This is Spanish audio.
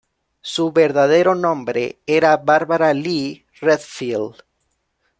Su verdadero nombre era Barbara Lee Redfield.